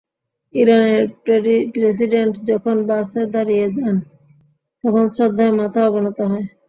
ইরানের প্রেসিডেন্ট যখন বাসে দাঁড়িয়ে যান, তখন শ্রদ্ধায় মাথা অবনত হয়।